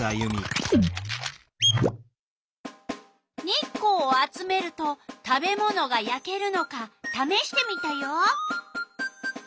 日光を集めると食べ物がやけるのかためしてみたよ。